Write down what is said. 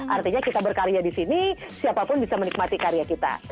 artinya kita berkarya di sini siapapun bisa menikmati karya kita